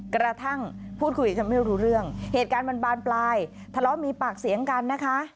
กระทั่งพูดคุยกันไม่รู้เรื่องเหตุการณ์มันบานปลายทะเลาะมีปากเสียงกันนะคะ